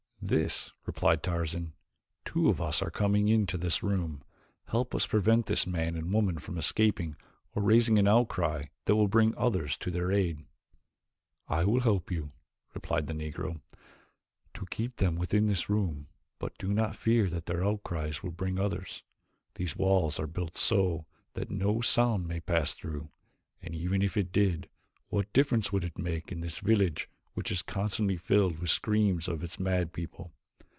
"This," replied Tarzan. "Two of us are coming into this room. Help us prevent this man and woman from escaping or raising an outcry that will bring others to their aid." "I will help you," replied the Negro, "to keep them within this room, but do not fear that their outcries will bring others. These walls are built so that no sound may pass through, and even if it did what difference would it make in this village which is constantly filled with the screams of its mad people.